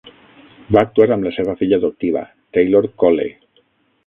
Va actuar amb la seva filla adoptiva, Taylor Cole.